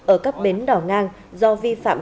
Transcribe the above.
ở các bến đỏ ngang do vi phạm